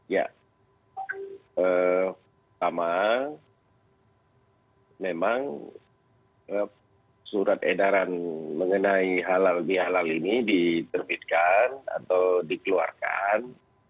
ya pertama memang surat edaran mengenai halal bihalal ini diterbitkan atau dikeluarkan